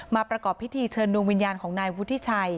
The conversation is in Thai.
ประกอบพิธีเชิญดวงวิญญาณของนายวุฒิชัย